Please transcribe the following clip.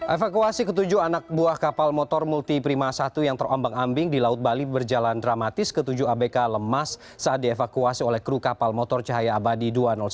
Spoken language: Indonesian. evakuasi ketujuh anak buah kapal motor multi prima satu yang terombang ambing di laut bali berjalan dramatis ketujuh abk lemas saat dievakuasi oleh kru kapal motor cahaya abadi dua ratus satu